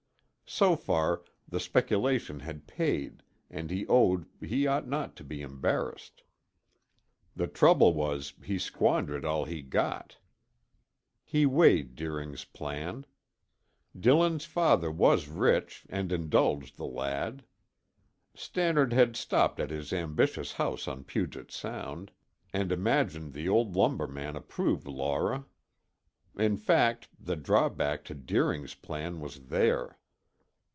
So far, the speculation had paid and he owned he ought not to be embarrassed. The trouble was, he squandered all he got. He weighed Deering's plan. Dillon's father was rich and indulged the lad. Stannard had stopped at his ambitious house on Puget Sound, and imagined the old lumber man approved Laura. In fact, the drawback to Deering's plan was there.